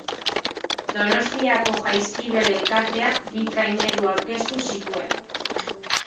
Donostiako Jaizkibel elkarteak bi traineru aurkeztu zituen.